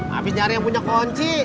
habis nyari yang punya kunci